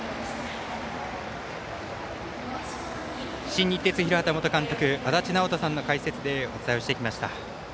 新日鉄広畑元監督足達尚人さんの解説でお伝えをしてきました。